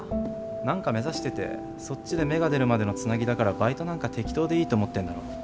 何か目指しててそっちで芽が出るまでのつなぎだからバイトなんか適当でいいと思ってるんだろ。